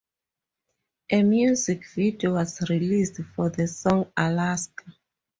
A music video was released for the song "Alaska".